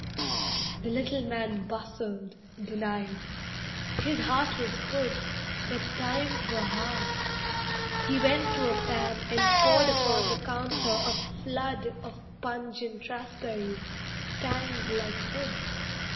The little man Bustled, denied, his heart was good, But times were hard. He went to a pan And poured upon the counter a flood Of pungent raspberries, tanged like wood.